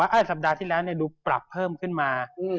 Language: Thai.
ไอ้สัปดาห์ที่แล้วดูปรับเพิ่มขึ้นมา